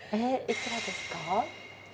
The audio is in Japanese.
いくらですか？